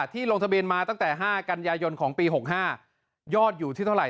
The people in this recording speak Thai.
ลงทะเบียนมาตั้งแต่๕กันยายนของปี๖๕ยอดอยู่ที่เท่าไห